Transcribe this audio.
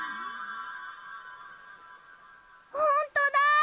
ほんとだ！